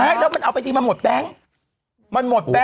ไม่แล้วมันเอาไปทีมันหมดแบงค์มันหมดแบงค